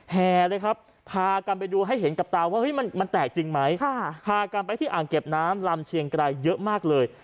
แห่เลยครับพากันไปดูให้เห็นกับตาว่าเฮ้ยมันแตกจริงไหมพากันไปที่อ่างเก็บน้ำลำเชียงไกรเยอะมากเลย